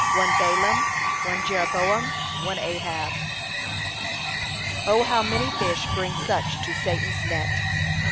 One Baalam, one Jeroboam, one Ahab; O how many fish bring such to Satan's net!